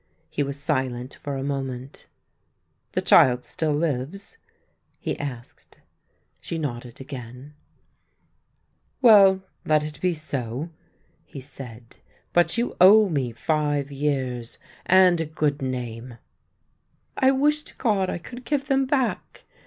He was silent for a moment. " The child still lives ?" he asked. She nodded again. " Well, 262 THE LANE THAT HAD NO TURNING let it be so," he said. " But you owe me five years — and a good name." " I wish to God I could give them back